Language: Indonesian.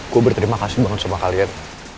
gue berterima kasih banget sama kalian